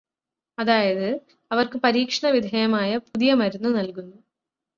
അതായത്, അവര്ക്ക് പരീക്ഷണവിധേയമായ പുതിയ മരുന്നു നല്കുന്നു.